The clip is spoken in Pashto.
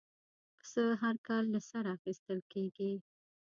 پسه هر کال له سره اخېستل کېږي.